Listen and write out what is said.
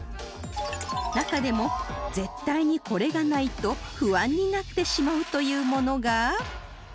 中でも絶対にこれがないと不安になってしまうというものが